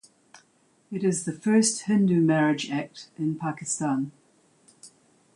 It is the first Hindu marriage act in Pakistan.